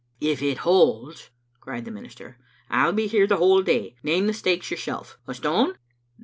"If it holds," cried the minister, "I'll be here the whole day. Name the stakes yourself. A stone?"